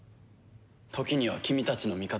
時には君たちの味方にね。